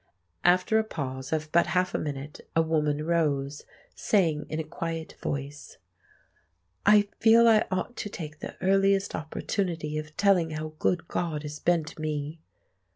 After a pause of but half a minute, a woman rose, saying in a quiet voice— "I feel I ought to take the earliest opportunity of telling how good God has been to me.